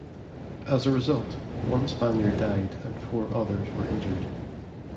As a result, one Spaniard died and four others were injured.